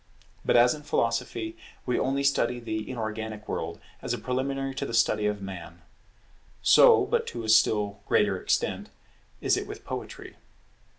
But as in Philosophy we only study the inorganic world as a preliminary to the study of Man; so, but to a still greater extent, is it with Poetry.